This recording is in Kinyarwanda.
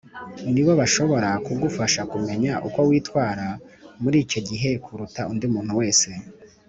ni bo bashobora kugufasha kumenya uko witwara muri icyo gihe kuruta undi muntu wese